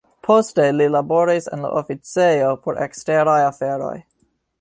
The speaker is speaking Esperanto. Poste li laboris en la oficejo por eksteraj aferoj.